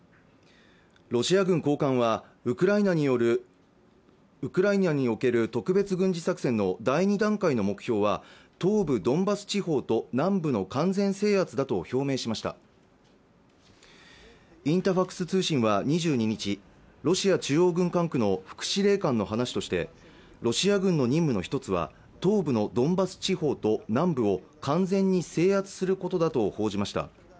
ロシア軍高官はウクライナにおける特別軍事作戦の第２段階の目標は東部ドンバス地方と南部の完全制圧だと表明しましたインタファクス通信は２２日ロシア中央軍管区の副司令官の話としてロシア軍の任務の１つは東部のドンバス地方と南部を完全に制圧することだと報じました